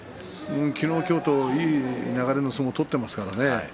昨日、今日といい流れの相撲を取っていますからね。